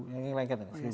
ini lengket ini